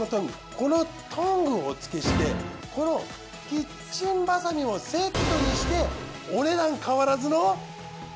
このトングをお付けしてこのキッチンバサミもセットにしてお値段変わらずの。